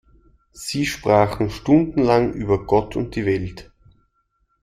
Sie sprachen stundenlang über Gott und die Welt.